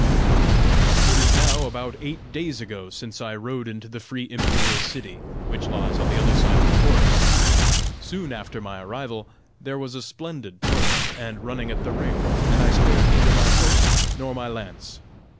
"It is now about eight days ago since I rode into the free imperial city, which lies on the other side of the forest. Soon after my arrival, there was a splendid tournament and running at the ring, and I spared neither my horse nor my lance.